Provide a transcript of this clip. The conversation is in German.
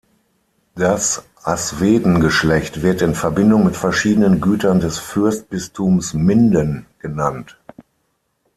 Das Asweden-Geschlecht wird in Verbindung mit verschiedenen Gütern des Fürstbistums Minden genannt.